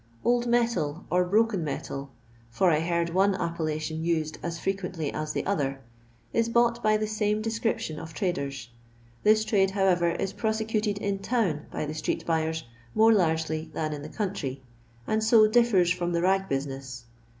Old metalf or broken mdalf for I heard one appellation used as frequently as the other, is bought by the same description of traders. This trade, however, is prosecuted in town by the street buyers more largely than in the country, and so differs from the rag business.